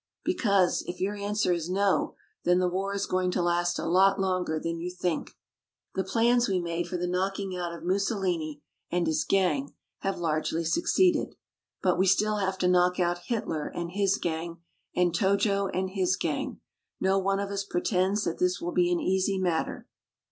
"Because if your answer is 'No' then the war is going to last a lot longer than you think.˛ The plans we made for the knocking out of Mussolini and his gang have largely succeeded. But we still have to knock out Hitler and his gang, and Tojo and his gang. No one of us pretends that this will be an easy matter.